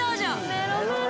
メロメロ